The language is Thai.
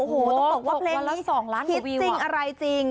โอ้โหต้องบอกว่าเพลงนี้ฮิตจริงอะไรจริง